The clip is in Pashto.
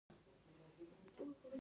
انسان یوازې وسیله ده.